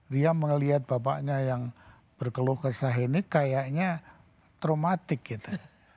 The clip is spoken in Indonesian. dia melihat bapaknya yang berkeluh kesah ini kayaknya traumatik gitu